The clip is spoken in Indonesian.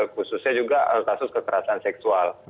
khususnya juga kasus kekerasan seksual